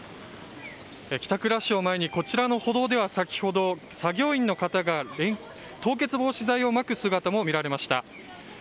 帰宅ラッシュを前にこちらの歩道では先ほど作業員の方が凍結防止剤をまく姿も見られました。